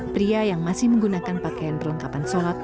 pria yang masih menggunakan pakaian perlengkapan sholat